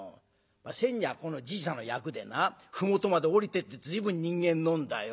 仙人やこのじいさんの役でな麓まで下りてって随分人間飲んだよ。